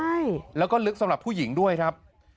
ใช่แล้วก็ลึกสำหรับผู้หญิงด้วยครับ